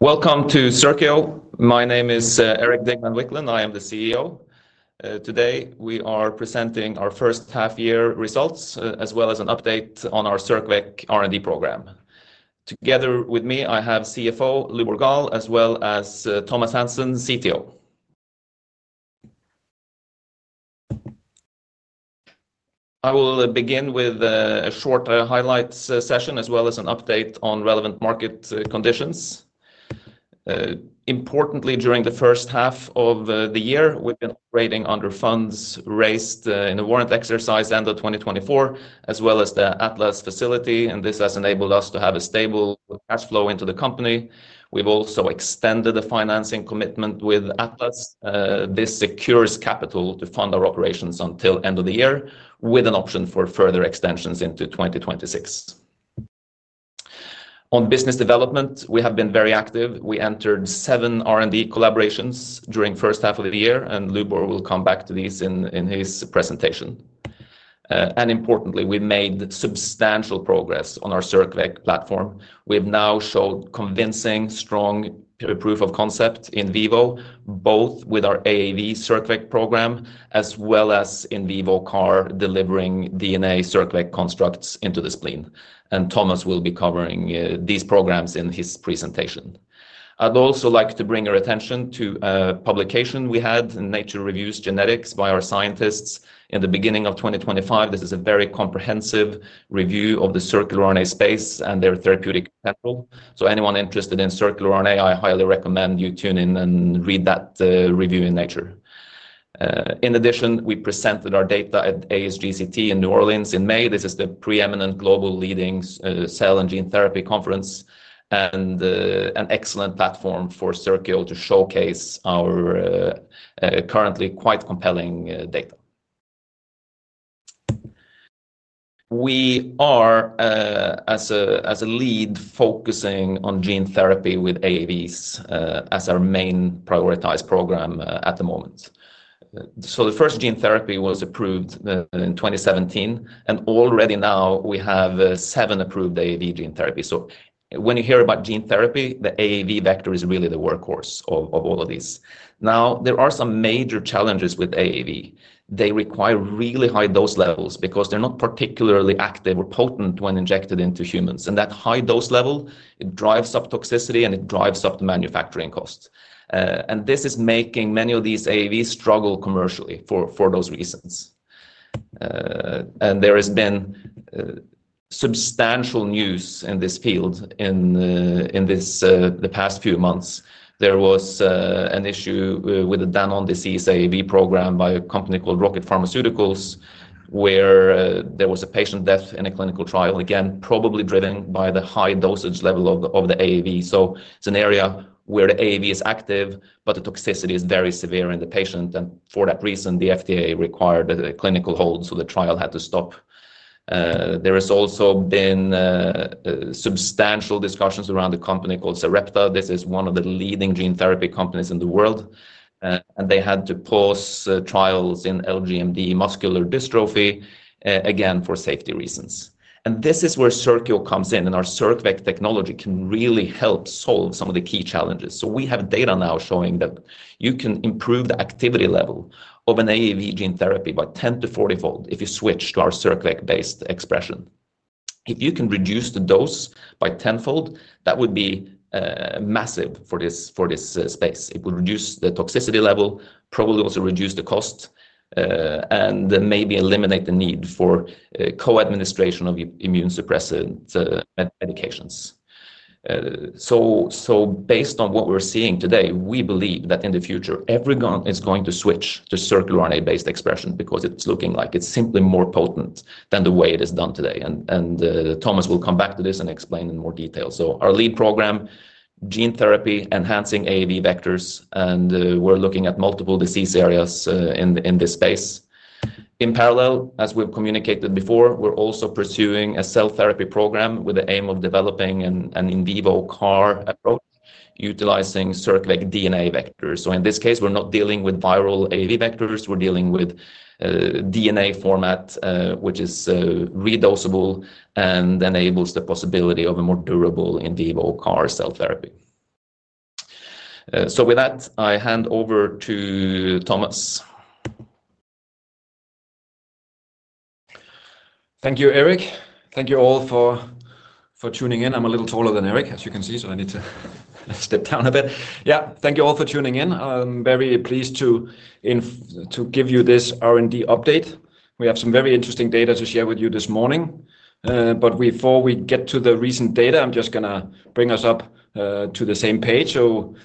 Welcome to Circio. My name is Erik Digman Wiklund. I am the CEO. Today we are presenting our First Half-year results, as well as an update on our circVec R&D program. Together with me, I have CFO Lubor Gaal, as well as Thomas Hansen, CTO. I will begin with a short highlights session, as well as an update on relevant market conditions. Importantly, during the first half of the year, we've been operating under funds raised in the warrant exercise end of 2024, as well as the Atlas facility. This has enabled us to have a stable cash flow into the company. We've also extended the financing commitment with Atlas. This secures capital to fund our operations until the end of the year, with an option for further extensions into 2026. On business development, we have been very active. We entered seven R&D collaborations during the first half of the year, and Lubor will come back to these in his presentation. Importantly, we made substantial progress on our circVec platform. We've now shown convincing strong proof of concept in vivo, both with our AAV circVec program, as well as in vivo CAR delivering DNA circVec constructs into the spleen. Thomas will be covering these programs in his presentation. I'd also like to bring your attention to a publication we had in Nature Reviews Genetics by our scientists in the beginning of 2025. This is a very comprehensive review of the circular RNA space and their therapeutic potential. Anyone interested in circular RNA, I highly recommend you tune in and read that review in Nature. In addition, we presented our data at ASGCT in New Orleans in May. This is the preeminent global leading cell and gene therapy conference and an excellent platform for Circio to showcase our currently quite compelling data. We are, as a lead, focusing on gene therapy with AAVs as our main prioritized program at the moment. The first gene therapy was approved in 2017, and already now we have seven approved AAV gene therapies. When you hear about gene therapy, the AAV vector is really the workhorse of all of these. There are some major challenges with AAV. They require really high dose levels because they're not particularly active or potent when injected into humans. That high dose level drives up toxicity and it drives up the manufacturing costs. This is making many of these AAVs struggle commercially for those reasons. There has been substantial news in this field in the past few months. There was an issue with the Danon disease AAV program by a company called Rocket Pharmaceuticals, where there was a patient death in a clinical trial, probably driven by the high dosage level of the AAV. It is an area where the AAV is active, but the toxicity is very severe in the patient. For that reason, the FDA required a clinical hold, so the trial had to stop. There have also been substantial discussions around a company called Sarepta. This is one of the leading gene therapy companies in the world. They had to pause trials in LGMD muscular dystrophy, again for safety reasons. This is where Circio comes in, and our circVec technology can really help solve some of the key challenges. We have data now showing that you can improve the activity level of an AAV gene therapy by 10 to 40-fold if you switch to our circVec-based expression. If you can reduce the dose by tenfold, that would be massive for this space. It would reduce the toxicity level, probably also reduce the cost, and maybe eliminate the need for co-administration of immune suppressant medications. Based on what we're seeing today, we believe that in the future, everyone is going to switch to circRNA-based expression because it's looking like it's simply more potent than the way it is done today. Thomas will come back to this and explain in more detail. Our lead program, gene therapy, enhancing AAV vectors, and we're looking at multiple disease areas in this space. In parallel, as we've communicated before, we're also pursuing a cell therapy program with the aim of developing an in vivo CAR approach utilizing circlic DNA vectors. In this case, we're not dealing with viral AAV vectors. We're dealing with a DNA format, which is re-dosable and enables the possibility of a more durable in vivo CAR cell therapy. With that, I hand over to Thomas. Thank you, Erik. Thank you all for tuning in. I'm a little taller than Erik, as you can see, so I need to step down a bit. Thank you all for tuning in. I'm very pleased to give you this R&D update. We have some very interesting data to share with you this morning. Before we get to the recent data, I'm just going to bring us up to the same page.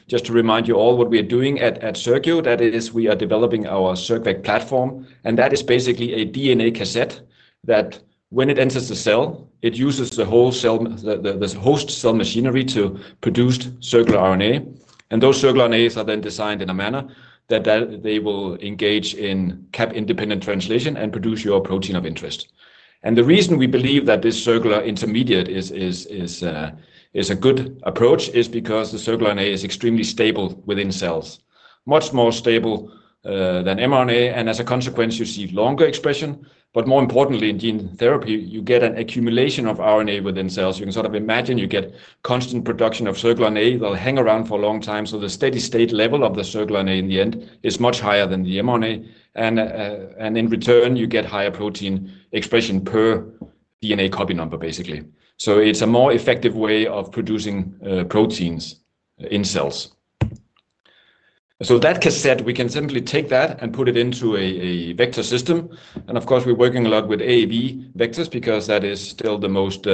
Just to remind you all what we are doing at Circio, that is we are developing our circVec platform. That is basically a DNA cassette that when it enters the cell, it uses the host cell machinery to produce circular RNA. Those circular RNAs are then designed in a manner that they will engage in CAP independent translation and produce your protein of interest. The reason we believe that this circular intermediate is a good approach is because the circular RNA is extremely stable within cells, much more stable than mRNA. As a consequence, you see longer expression. More importantly, in gene therapy, you get an accumulation of RNA within cells. You can sort of imagine you get constant production of circular RNA. They'll hang around for a long time. The steady state level of the circular RNA in the end is much higher than the mRNA. In return, you get higher protein expression per DNA copy number, basically. It's a more effective way of producing proteins in cells. That cassette, we can simply take that and put it into a vector system. Of course, we're working a lot with AAV vectors because that is still the most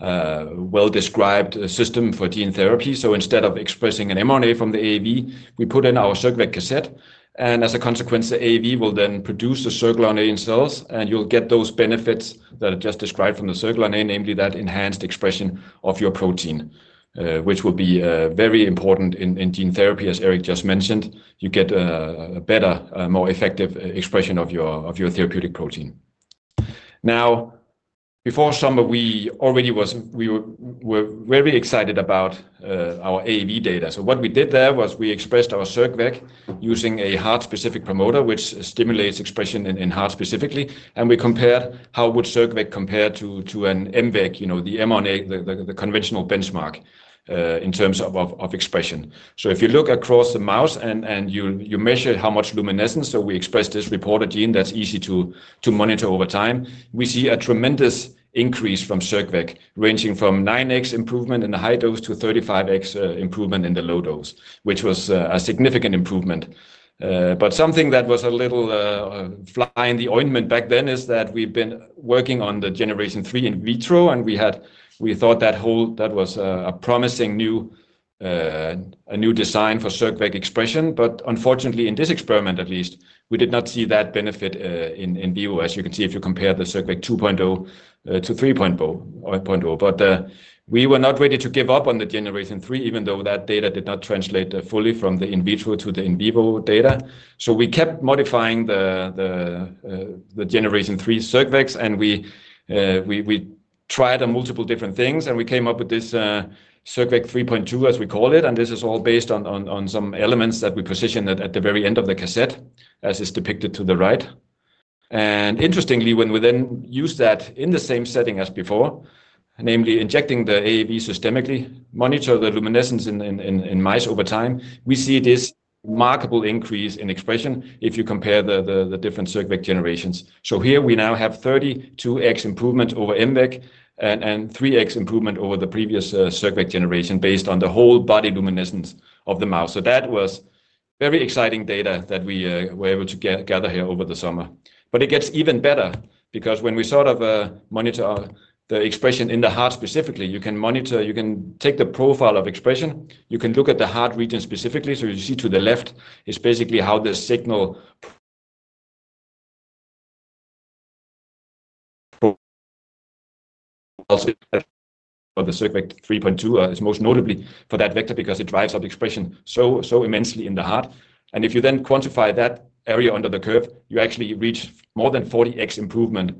well-described system for gene therapy. Instead of expressing an mRNA from the AAV, we put in our circVec cassette. As a consequence, the AAV will then produce the circular RNA in cells. You'll get those benefits that I just described from the circular RNA, namely that enhanced expression of your protein, which will be very important in gene therapy, as Erik just mentioned. You get a better, more effective expression of your therapeutic protein. Before summer, we already were very excited about our AAV data. What we did there was we expressed our circVec using a heart-specific promoter, which stimulates expression in heart specifically. We compared how circVec would compare to an nVec, the mRNA, the conventional benchmark in terms of expression. If you look across the mouse and you measure how much luminescence, we expressed this reporter gene that's easy to monitor over time, we see a tremendous increase from circVec, ranging from 9x improvement in the high dose to 35x improvement in the low dose, which was a significant improvement. Something that was a little fly in the ointment back then is that we've been working on the Generation 3 in vitro. We thought that was a promising new design for circVec expression. Unfortunately, in this experiment at least, we did not see that benefit in vivo, as you can see if you compare the circVec 2.0 to 3.0. We were not ready to give up on the Generation 3, even though that data did not translate fully from the in vitro to the in vivo data. We kept modifying the Generation 3 circVecs. We tried multiple different things and came up with this circVec 3.2, as we call it. This is all based on some elements that we positioned at the very end of the cassette, as is depicted to the right. Interestingly, when we then use that in the same setting as before, namely injecting the AAV systemically and monitoring the luminescence in mice over time, we see this remarkable increase in expression if you compare the different circVec generations. Here we now have 32x improvement over MVEC and 3x improvement over the previous circVec generation based on the whole body luminescence of the mouse. That was very exciting data that we were able to gather here over the summer. It gets even better because when we sort of monitor the expression in the heart specifically, you can take the profile of expression and look at the heart region specifically. You see to the left, it's basically how the signal of the circVec 3.2 is most notable for that vector because it drives up expression so immensely in the heart. If you then quantify that area under the curve, you actually reach more than 40x improvement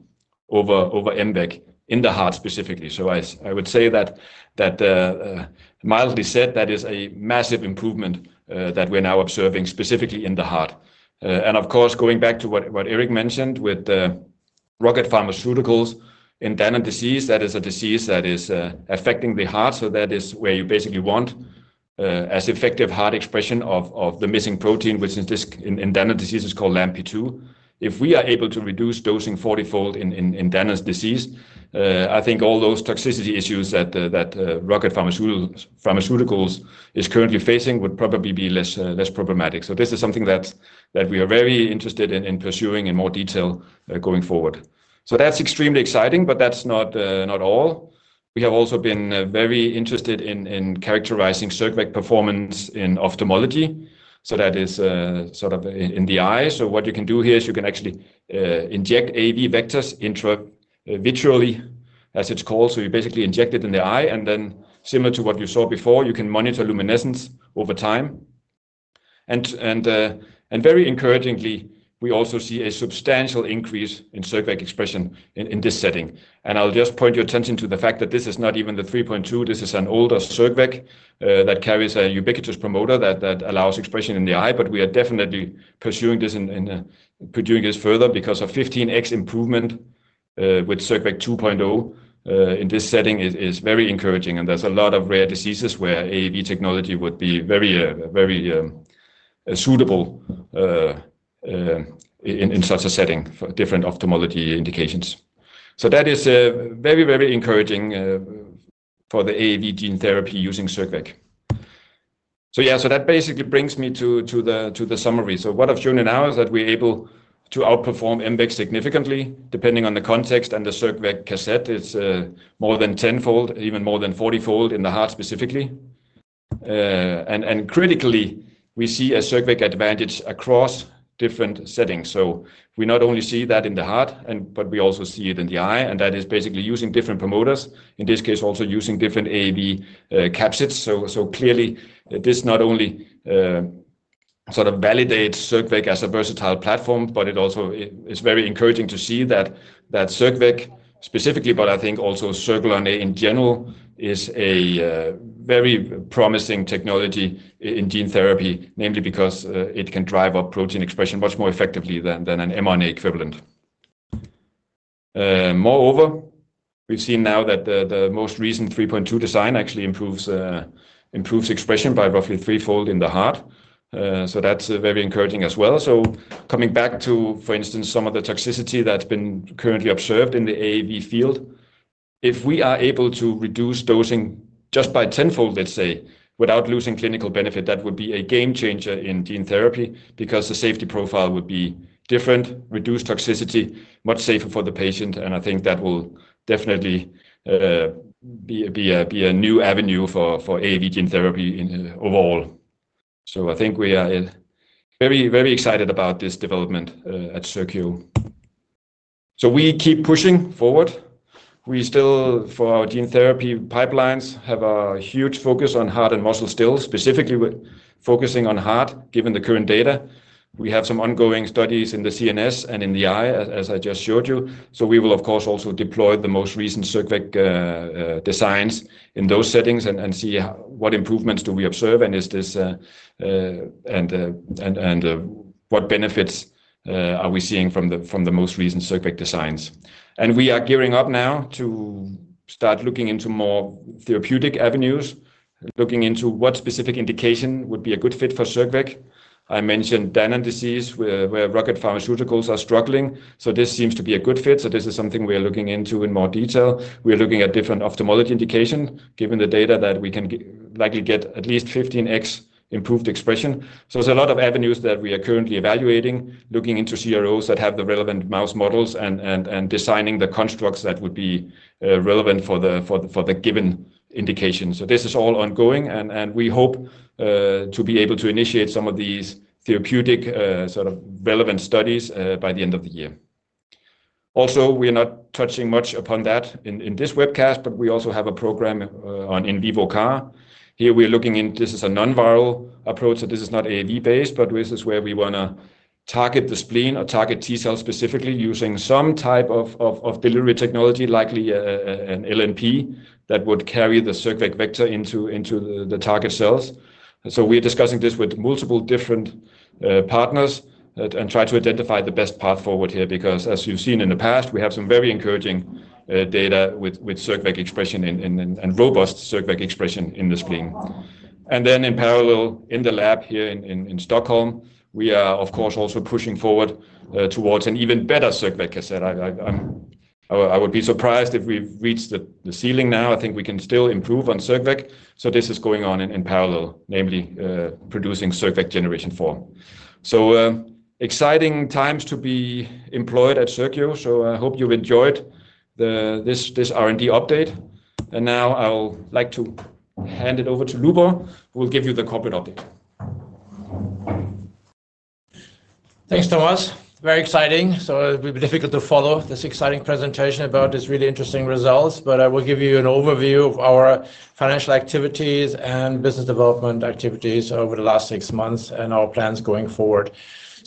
over MVEC in the heart specifically. I would say that, mildly said, that is a massive improvement that we're now observing specifically in the heart. Of course, going back to what Erik mentioned with the Rocket Pharmaceuticals in Danone disease, that is a disease that is affecting the heart. That is where you basically want as effective heart expression of the missing protein, which in Danone disease is called LAMPP2. If we are able to reduce dosing 40-fold in Danone disease, I think all those toxicity issues that Rocket Pharmaceuticals is currently facing would probably be less problematic. This is something that we are very interested in pursuing in more detail going forward. That's extremely exciting, but that's not all. We have also been very interested in characterizing circVec performance in ophthalmology. That is sort of in the eye. What you can do here is you can actually inject AAV vectors intravitreally, as it's called. You basically inject it in the eye. Then, similar to what you saw before, you can monitor luminescence over time. Very encouragingly, we also see a substantial increase in circVec expression in this setting. I'll just point your attention to the fact that this is not even the 3.2. This is an older circVec that carries a ubiquitous promoter that allows expression in the eye. We are definitely pursuing this and pursuing this further because a 15x improvement with circVec 2.0 in this setting is very encouraging. There are a lot of rare diseases where AAV technology would be very, very suitable in such a setting for different ophthalmology indications. That is very, very encouraging for the AAV gene therapy using circVec. That basically brings me to the summary. What I've shown you now is that we're able to outperform MVEC significantly depending on the context. The circVec cassette is more than tenfold, even more than 40-fold in the heart specifically. Critically, we see a circVec advantage across different settings. We not only see that in the heart, but we also see it in the eye. That is basically using different promoters, in this case also using different AAV capsids. Clearly, this not only sort of validates circVec as a versatile platform, but it also is very encouraging to see that circVec specifically, but I think also circVec RNA in general, is a very promising technology in gene therapy, namely because it can drive up protein expression much more effectively than an mRNA equivalent. Moreover, we've seen now that the most recent 3.2 design actually improves expression by roughly threefold in the heart. That's very encouraging as well. Coming back to, for instance, some of the toxicity that's been currently observed in the AAV field, if we are able to reduce dosing just by tenfold, let's say, without losing clinical benefit, that would be a game changer in gene therapy because the safety profile would be different, reduce toxicity, much safer for the patient. I think that will definitely be a new avenue for AAV gene therapy overall. We are very, very excited about this development at Circio. We keep pushing forward. We still, for our gene therapy pipelines, have a huge focus on heart and muscle still, specifically with focusing on heart, given the current data. We have some ongoing studies in the CNS and in the eye, as I just showed you. We will, of course, also deploy the most recent circVec designs in those settings and see what improvements do we observe and what benefits are we seeing from the most recent circVec designs. We are gearing up now to start looking into more therapeutic avenues, looking into what specific indication would be a good fit for circVec. I mentioned Danon disease, where Rocket Pharmaceuticals are struggling. This seems to be a good fit. This is something we are looking into in more detail. We are looking at different ophthalmology indications, given the data that we can likely get at least 15x improved expression. There are a lot of avenues that we are currently evaluating, looking into CROs that have the relevant mouse models and designing the constructs that would be relevant for the given indication. This is all ongoing. We hope to be able to initiate some of these therapeutic sort of relevant studies by the end of the year. We are not touching much upon that in this webcast, but we also have a program on in vivo CAR. Here we are looking in, this is a non-viral approach. This is not AAV based, but this is where we want to target the spleen or target T cells specifically using some type of delivery technology, likely an LNP that would carry the circVec vector into the target cells. We are discussing this with multiple different partners and try to identify the best path forward here because, as you've seen in the past, we have some very encouraging data with circVec expression and robust circVec expression in the spleen. In parallel in the lab here in Stockholm, we are, of course, also pushing forward towards an even better circVec cassette. I would be surprised if we reached the ceiling now. I think we can still improve on circVec. This is going on in parallel, namely producing circVec Generation 4. Exciting times to be employed at Circio. I hope you've enjoyed this R&D update. Now I'll like to hand it over to Lubor, who will give you the corporate update. Thanks, Thomas. Very exciting. It will be difficult to follow this exciting presentation about these really interesting results. I will give you an overview of our financial activities and business development activities over the last six months and our plans going forward.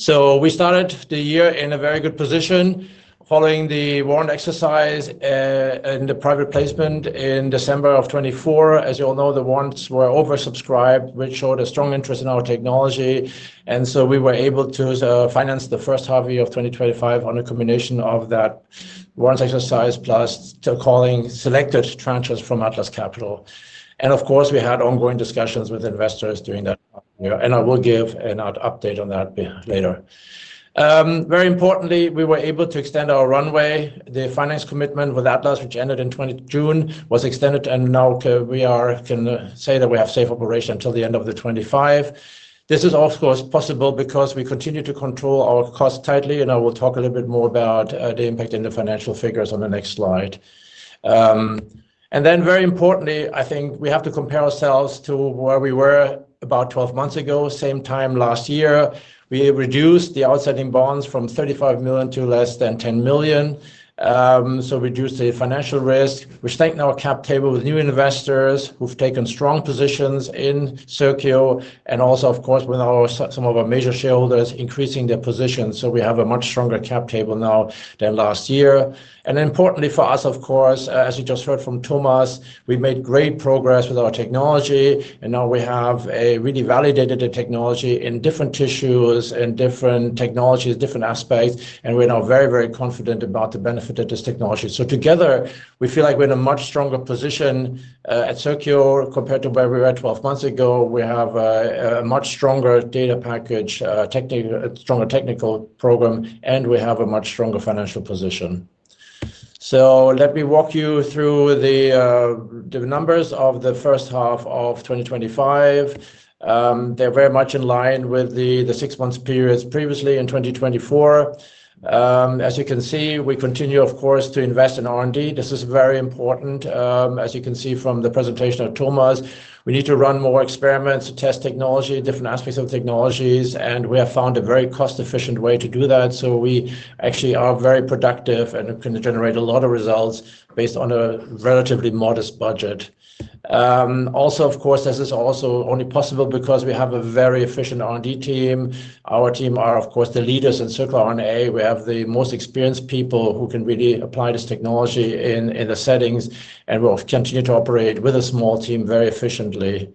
We started the year in a very good position following the warrant exercise and the private placement in December of 2024. As you all know, the warrants were oversubscribed, which showed a strong interest in our technology. We were able to finance the first half of 2025 on a combination of that warrant exercise plus so-called selected transfers from Atlas Capital Markets. Of course, we had ongoing discussions with investors during that time. I will give an update on that later. Very importantly, we were able to extend our runway. The finance commitment with Atlas, which ended in June, was extended. We can now say that we have safe operation until the end of 2025. This is, of course, possible because we continue to control our costs tightly. I will talk a little bit more about the impact in the financial figures on the next slide. Very importantly, I think we have to compare ourselves to where we were about 12 months ago, same time last year. We reduced the outstanding bonds from $35 million to less than $10 million. We reduced the financial risk. We've stacked our cap table with new investors who've taken strong positions in Circio. Also, of course, with some of our major shareholders increasing their positions. We have a much stronger cap table now than last year. Importantly for us, of course, as you just heard from Thomas, we made great progress with our technology. We have really validated the technology in different tissues and different technologies, different aspects. We're now very, very confident about the benefit of this technology. Together, we feel like we're in a much stronger position at Circio compared to where we were 12 months ago. We have a much stronger data package, a stronger technical program, and we have a much stronger financial position. Let me walk you through the numbers of the first half of 2025. They're very much in line with the six months periods previously in 2024. As you can see, we continue, of course, to invest in R&D. This is very important. As you can see from the presentation of Thomas, we need to run more experiments to test technology, different aspects of technologies. We have found a very cost-efficient way to do that. We actually are very productive and can generate a lot of results based on a relatively modest budget. This is also only possible because we have a very efficient R&D team. Our team are, of course, the leaders in circular RNA. We have the most experienced people who can really apply this technology in the settings. We'll continue to operate with a small team very efficiently.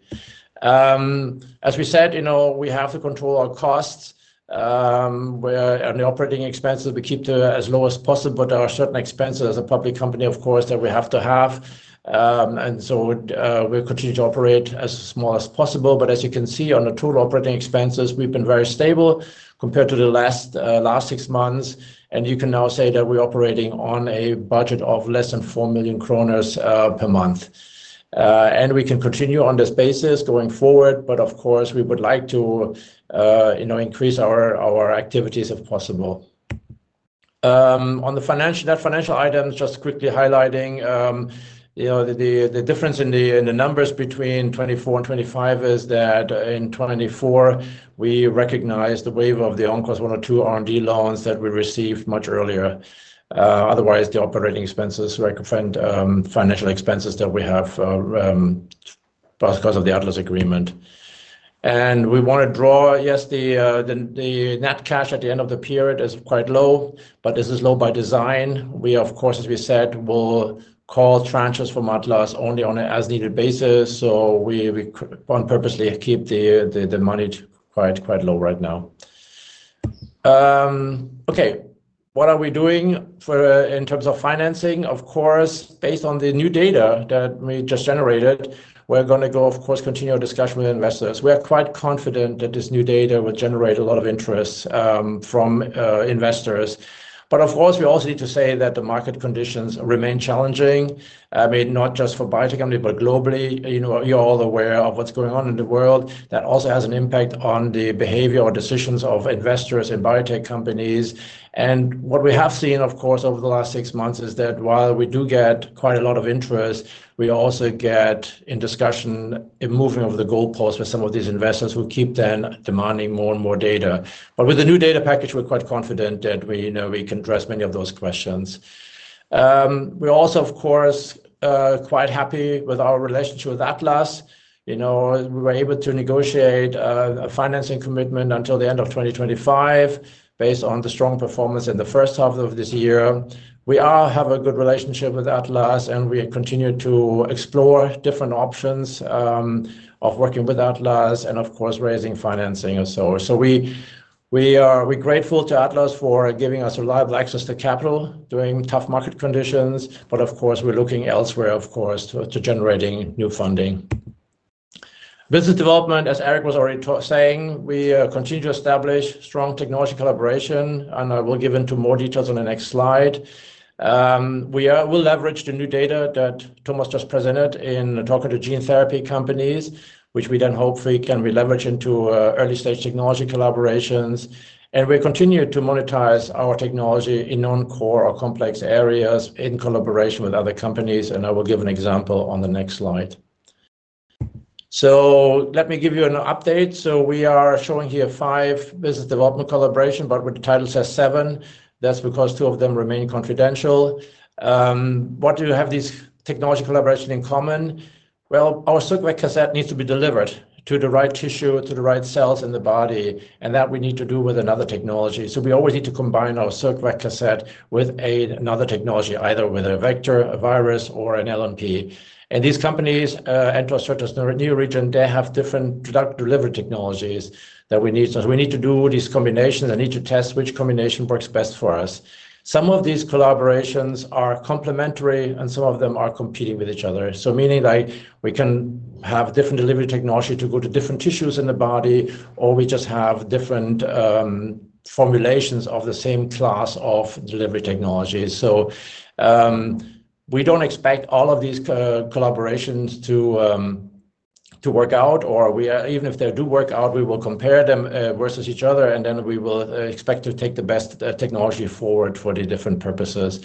As we said, we have to control our costs. The operating expenses, we keep to as low as possible. There are certain expenses as a public company, of course, that we have to have. We'll continue to operate as small as possible. As you can see on the total operating expenses, we've been very stable compared to the last six months. You can now say that we're operating on a budget of less than 4 million kroner per month. We can continue on this basis going forward. We would like to increase our activities if possible. On the financial items, just quickly highlighting, the difference in the numbers between 2024 and 2025 is that in 2024, we recognized the waiver of the ONCOS-102 R&D loans that we received much earlier. Otherwise, the operating expenses rectified financial expenses that we have because of the Atlas Capital Markets agreement. We want to draw, yes, the net cash at the end of the period is quite low, but this is low by design. We, as we said, will call transfers from Atlas Capital Markets only on an as-needed basis. We want to purposely keep the money quite low right now. What are we doing in terms of financing? Based on the new data that we just generated, we're going to continue our discussion with investors. We are quite confident that this new data will generate a lot of interest from investors. We also need to say that the market conditions remain challenging, not just for biotech companies, but globally. You're all aware of what's going on in the world. That also has an impact on the behavior or decisions of investors in biotech companies. What we have seen over the last six months is that while we do get quite a lot of interest, we also get in discussion a moving of the goalposts with some of these investors who keep then demanding more and more data. With the new data package, we're quite confident that we can address many of those questions. We're also, of course, quite happy with our relationship with Atlas. We were able to negotiate a financing commitment until the end of 2025 based on the strong performance in the first half of this year. We have a good relationship with Atlas, and we continue to explore different options of working with Atlas Capital and, of course, raising financing. We are grateful to Atlas Capital Markets for giving us reliable access to capital during tough market conditions. Of course, we're looking elsewhere to generate new funding. Business development, as Erik was already saying, we continue to establish strong technology collaboration. I will give into more details on the next slide. We will leverage the new data that Thomas just presented in talking to gene therapy companies, which we then hopefully can leverage into early-stage technology collaborations. We continue to monetize our technology in non-core or complex areas in collaboration with other companies. I will give an example on the next slide. Let me give you an update. We are showing here five business development collaborations, but the title says seven. That's because two of them remain confidential. What do you have these technology collaborations in common? Our circVec cassette needs to be delivered to the right tissue, to the right cells in the body. We need to do that with another technology. We always need to combine our circVec cassette with another technology, either with a vector, a virus, or an LNP. These companies, Entrostratus Neuroregion, have different delivery technologies that we need. We need to do these combinations and need to test which combination works best for us. Some of these collaborations are complementary, and some of them are competing with each other. This means we can have different delivery technology to go to different tissues in the body, or we just have different formulations of the same class of delivery technology. We don't expect all of these collaborations to work out, or even if they do work out, we will compare them versus each other. We will expect to take the best technology forward for the different purposes.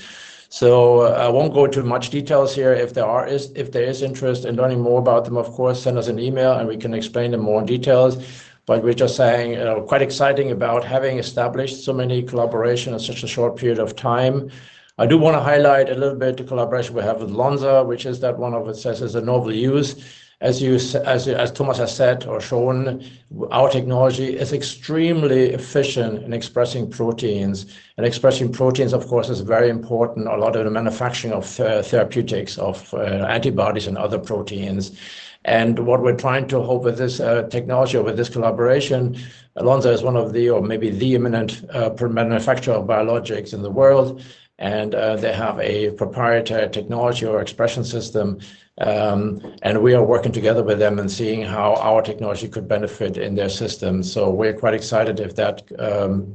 I won't go into too much detail here. If there is interest in learning more about them, of course, send us an email, and we can explain in more detail. Like we're just saying, quite exciting about having established so many collaborations in such a short period of time. I do want to highlight a little bit the collaboration we have with Lonza, which is that one of what says is a novel use. As you, as Thomas has said or shown, our technology is extremely efficient in expressing proteins. Expressing proteins, of course, is very important in a lot of the manufacturing of therapeutics, of antibodies, and other proteins. What we're trying to hope with this technology or with this collaboration, Lonza is one of the, or maybe the imminent manufacturer of biologics in the world. They have a proprietary technology or expression system. We are working together with them and seeing how our technology could benefit in their system. We're quite excited if that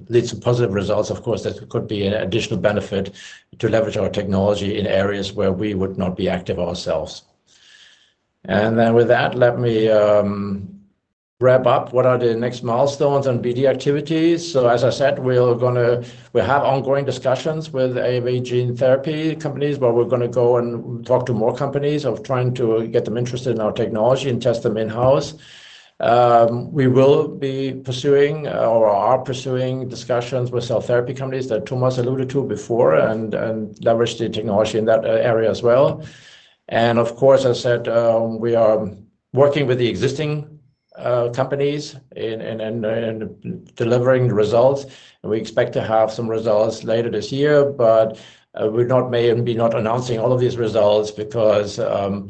leads to positive results. Of course, that could be an additional benefit to leverage our technology in areas where we would not be active ourselves. With that, let me wrap up. What are the next milestones on BD activities? As I said, we're going to have ongoing discussions with AAV gene therapy companies where we're going to go and talk to more companies of trying to get them interested in our technology and test them in-house. We will be pursuing or are pursuing discussions with cell therapy companies that Thomas alluded to before and leverage the technology in that area as well. Of course, as I said, we are working with the existing companies in delivering the results. We expect to have some results later this year, but we may not be announcing all of these results because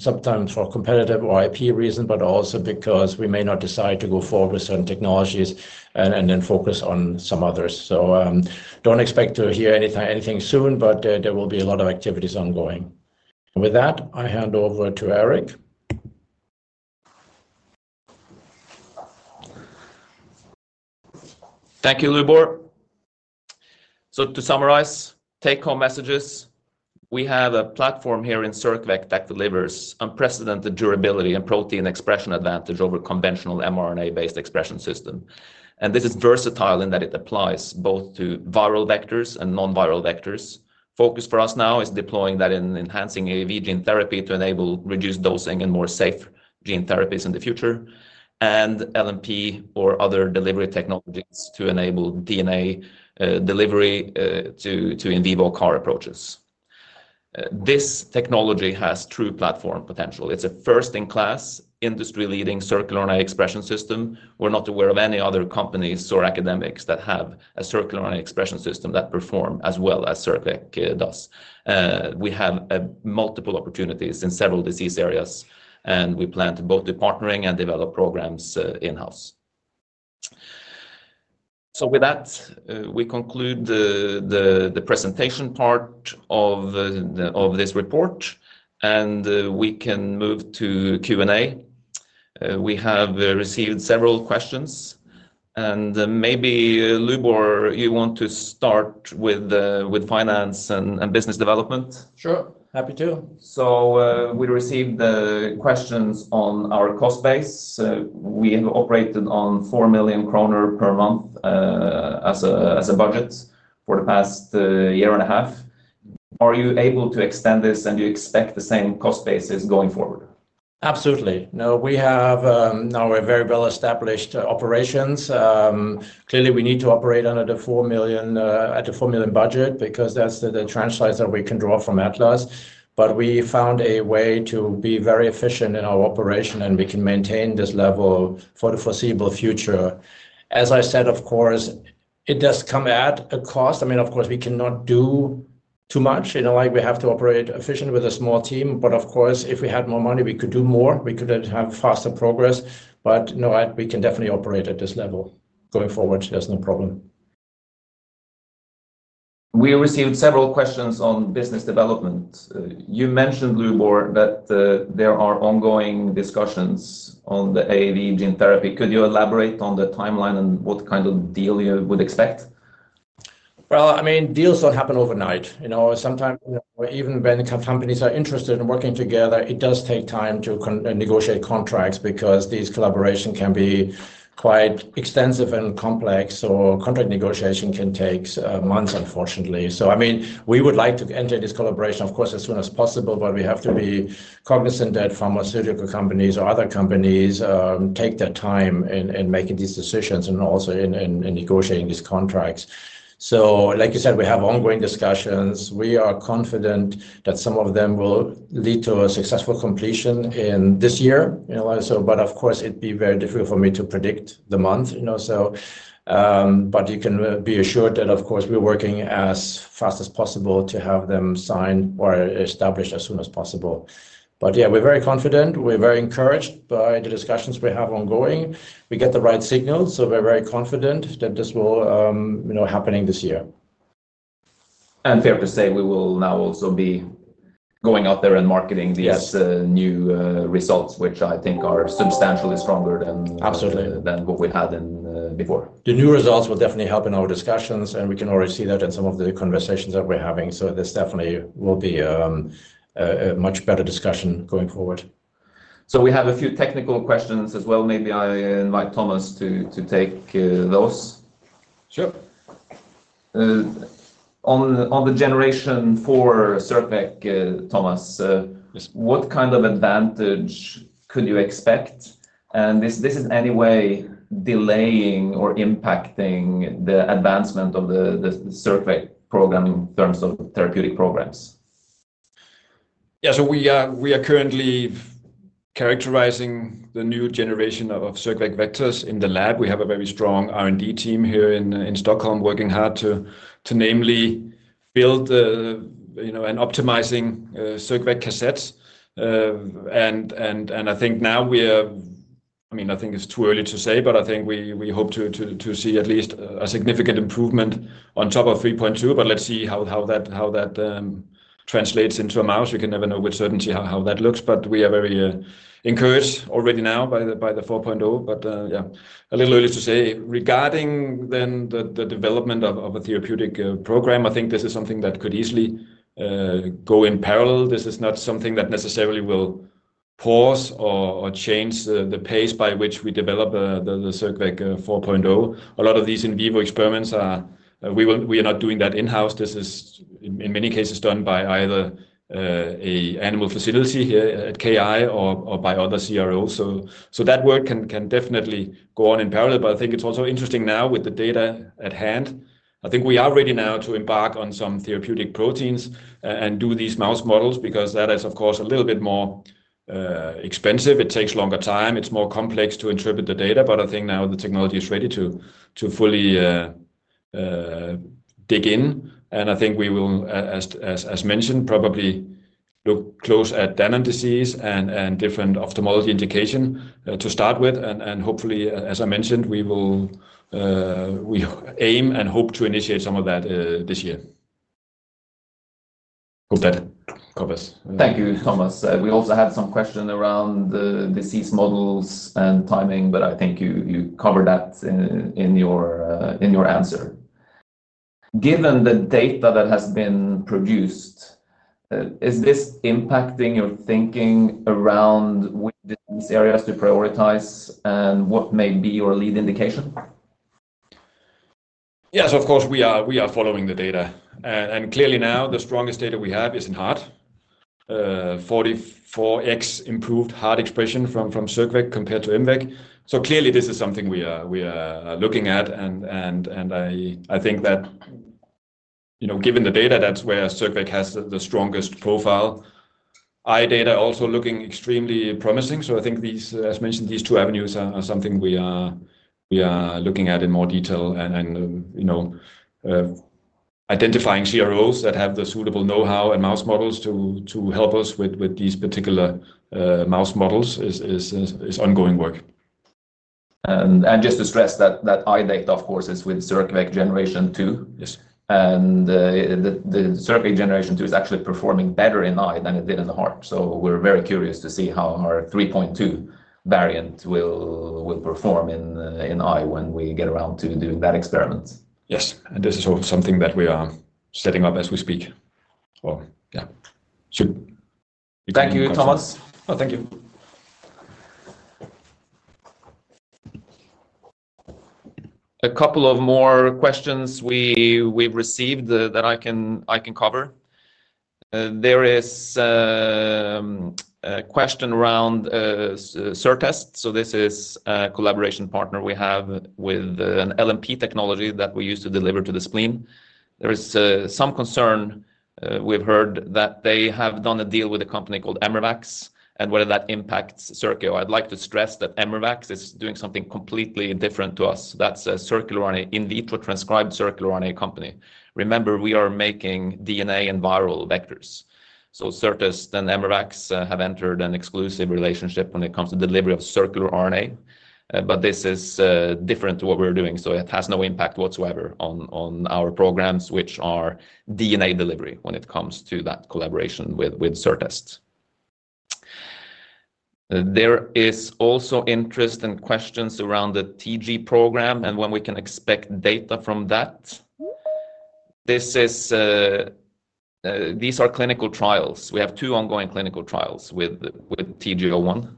sometimes for competitive or IP reasons, but also because we may not decide to go forward with certain technologies and then focus on some others. Do not expect to hear anything soon, but there will be a lot of activities ongoing. With that, I hand over to Erik. Thank you, Lubor. To summarize, take-home messages, we have a platform here in circVec that delivers unprecedented durability and protein expression advantage over conventional mRNA-based expression systems. This is versatile in that it applies both to viral vectors and non-viral vectors. Focus for us now is deploying that in enhancing AAV gene therapy to enable reduced dosing and more safe gene therapies in the future, and LNP or other delivery technologies to enable DNA delivery to in vivo CAR approaches. This technology has true platform potential. It's a first-in-class industry-leading circular expression system. We're not aware of any other companies or academics that have a circular expression system that performs as well as circVec does. We have multiple opportunities in several disease areas, and we plan to both be partnering and develop programs in-house. With that, we conclude the presentation part of this report, and we can move to Q&A. We have received several questions. Maybe, Lubor, you want to start with finance and business development? Sure, happy to. We received the questions on our cost base. We operated on 4 million kroner per month as a budget for the past year and a half. Are you able to extend this, and do you expect the same cost basis going forward? Absolutely. Now, we have our very well-established operations. Clearly, we need to operate under the $4 million budget because that's the transfers that we can draw from Atlas. We found a way to be very efficient in our operation, and we can maintain this level for the foreseeable future. As I said, of course, it does come at a cost. I mean, of course, we cannot do too much. We have to operate efficiently with a small team. Of course, if we had more money, we could do more. We could have faster progress. We can definitely operate at this level going forward. There's no problem. We received several questions on business development. You mentioned, Lubor, that there are ongoing discussions on the AAV gene therapy. Could you elaborate on the timeline and what kind of deal you would expect? Deals don't happen overnight. Sometimes even when companies are interested in working together, it does take time to negotiate contracts because these collaborations can be quite extensive and complex. Contract negotiation can take months, unfortunately. We would like to enter this collaboration, of course, as soon as possible. We have to be cognizant that pharmaceutical companies or other companies take their time in making these decisions and also in negotiating these contracts. Like you said, we have ongoing discussions. We are confident that some of them will lead to a successful completion in this year. It'd be very difficult for me to predict the month. You can be assured that we're working as fast as possible to have them signed or established as soon as possible. We're very confident. We're very encouraged by the discussions we have ongoing. We get the right signals. We're very confident that this will happen this year. We will now also be going out there and marketing these new results, which I think are substantially stronger than what we had before. The new results will definitely help in our discussions. We can already see that in some of the conversations that we're having. This definitely will be a much better discussion going forward. We have a few technical questions as well. Maybe I invite Thomas to take those. Sure. On the Generation 4 circVec, Thomas, what kind of advantage could you expect? Is this in any way delaying or impacting the advancement of the circVec program in terms of therapeutic programs? Yeah, we are currently characterizing the new generation of Circuit vectors in the lab. We have a very strong R&D team here in Stockholm working hard to namely build and optimize Circuit cassettes. I think now we are, I mean, I think it's too early to say, but I think we hope to see at least a significant improvement on top of 3.2. Let's see how that translates into a mouse. We can never know with certainty how that looks. We are very encouraged already now by the 4.0. Yeah, a little early to say. Regarding the development of a therapeutic program, I think this is something that could easily go in parallel. This is not something that necessarily will pause or change the pace by which we develop the Circuit 4.0. A lot of these in vivo experiments are, we are not doing that in-house. This is in many cases done by either an animal facility here at KI or by other CROs. That work can definitely go on in parallel. I think it's also interesting now with the data at hand. I think we are ready now to embark on some therapeutic proteins and do these mouse models because that is, of course, a little bit more expensive. It takes longer time. It's more complex to interpret the data. I think now the technology is ready to fully dig in. I think we will, as mentioned, probably look close at Danone disease and different ophthalmology indications to start with. Hopefully, as I mentioned, we will aim and hope to initiate some of that this year. Hope that covers. Thank you, Thomas. We also had some questions around the disease models and timing, but I think you covered that in your answer. Given the data that has been produced, is this impacting your thinking around which areas to prioritize and what may be your lead indication? Yes, of course, we are following the data. Clearly now, the strongest data we have is in heart. 44x improved heart expression from circVec compared to MVEC. Clearly, this is something we are looking at. I think that, you know, given the data, that's where Circuit has the strongest profile. Eye data is also looking extremely promising. I think these, as mentioned, these two avenues are something we are looking at in more detail. Identifying CROs that have the suitable know-how and mouse models to help us with these particular mouse models is ongoing work. To stress, EyeDect is, of course, with circVec 3.2. Yes. The circVec Generation 2 is actually performing better in Eye than it did in the heart. We are very curious to see how our 3.2 variant will perform in Eye when we get around to do that experiment. Yes, this is something that we are setting up as we speak. Thank you, Thomas. Thank you. A couple of more questions we've received that I can cover. There is a question around Certest. This is a collaboration partner we have with an LNP technology that we use to deliver to the spleen. There is some concern we've heard that they have done a deal with a company called Emer and whether that impacts Circio. I'd like to stress that Amrivax is doing something completely different to us. That's a circular in vitro transcribed circular RNA company. Remember, we are making DNA and viral vectors. Certest and Amrivax have entered an exclusive relationship when it comes to the delivery of circular RNA. This is different to what we're doing. It has no impact whatsoever on our programs, which are DNA delivery when it comes to that collaboration with Certest. There is also interest and questions around the TG01 program and when we can expect data from that. These are clinical trials. We have two ongoing clinical trials with TG01,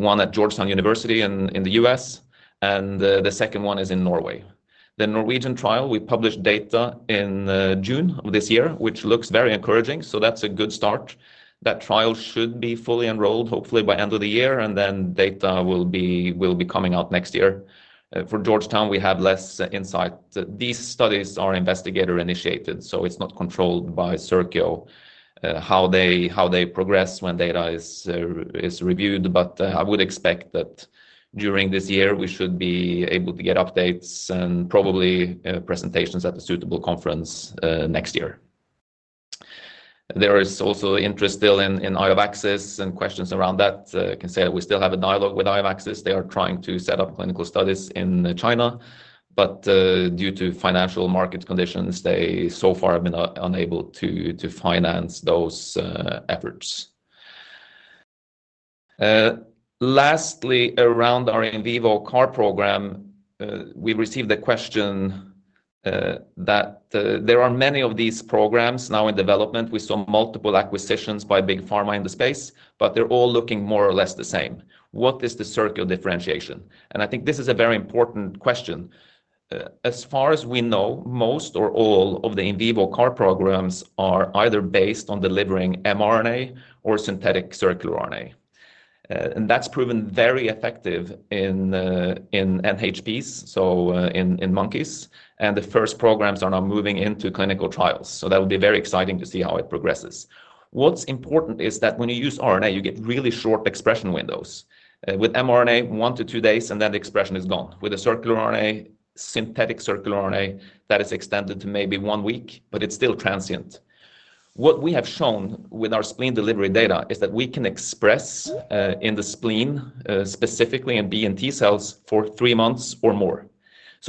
one at Georgetown University in the U.S., and the second one is in Norway. The Norwegian trial, we published data in June of this year, which looks very encouraging. That's a good start. That trial should be fully enrolled, hopefully by the end of the year, and then data will be coming out next year. For Georgetown, we have less insight. These studies are investigator-initiated. It's not controlled by Circio how they progress when data is reviewed. I would expect that during this year, we should be able to get updates and probably presentations at a suitable conference next year. There is also interest still in IO and questions around that. I can say that we still have a dialogue with IOVaxis. They are trying to set up clinical studies in China. Due to financial market conditions, they so far have been unable to finance those efforts. Lastly, around our in vivo CAR program, we received a question that there are many of these programs now in development. We saw multiple acquisitions by Big Pharma in the space, but they're all looking more or less the same. What is the Circio differentiation? I think this is a very important question. As far as we know, most or all of the in vivo CAR programs are either based on delivering mRNA or synthetic circular RNA. That's proven very effective in NHPs, so in monkeys. The first programs are now moving into clinical trials. That would be very exciting to see how it progresses. What's important is that when you use RNA, you get really short expression windows. With mRNA, one to two days, and then the expression is gone. With a circular RNA, synthetic circular RNA, that is extended to maybe one week, but it's still transient. What we have shown with our spleen delivery data is that we can express in the spleen, specifically in B and T cells, for three months or more.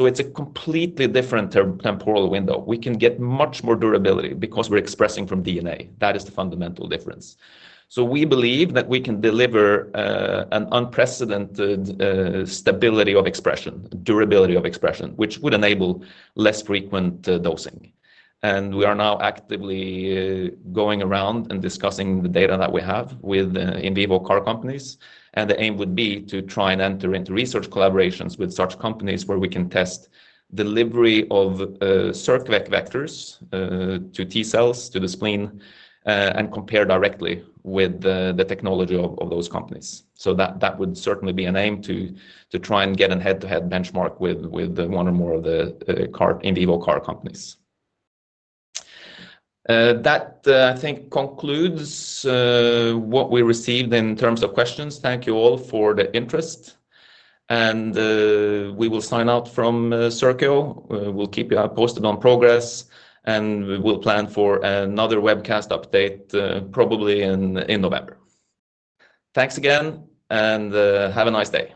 It's a completely different temporal window. We can get much more durability because we're expressing from DNA. That is the fundamental difference. We believe that we can deliver an unprecedented stability of expression, durability of expression, which would enable less frequent dosing. We are now actively going around and discussing the data that we have with in vivo CAR companies. The aim would be to try and enter into research collaborations with such companies where we can test delivery of Circuit vectors to T cells, to the spleen, and compare directly with the technology of those companies. That would certainly be an aim to try and get a head-to-head benchmark with one or more of the in vivo CAR companies. I think that concludes what we received in terms of questions. Thank you all for the interest. We will sign out from Circio. We'll keep you posted on progress. We'll plan for another webcast update probably in November. Thanks again, and have a nice day.